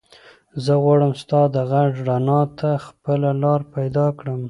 زه غواړم ستا د غږ رڼا ته خپله لاره پیدا کړم.